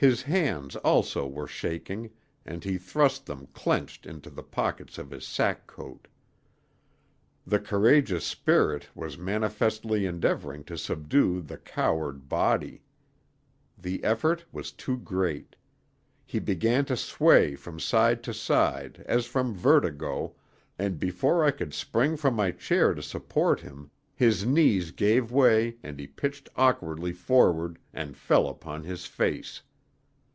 His hands, also, were shaking, and he thrust them, clenched, into the pockets of his sack coat. The courageous spirit was manifestly endeavoring to subdue the coward body. The effort was too great; he began to sway from side to side, as from vertigo, and before I could spring from my chair to support him his knees gave way and he pitched awkwardly forward and fell upon his face.